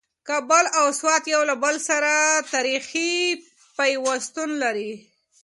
کابل او سوات یو له بل سره تاریخي پیوستون لري.